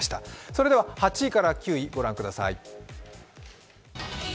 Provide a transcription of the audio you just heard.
それでは、８位から９位ご覧ください